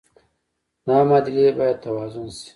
دا معادلې باید توازن شي.